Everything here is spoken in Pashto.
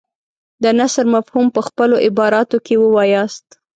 د نثر مفهوم په خپلو عباراتو کې ووایاست.